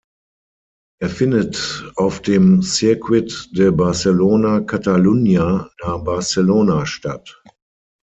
Er findet auf dem Circuit de Barcelona-Catalunya nahe Barcelona statt.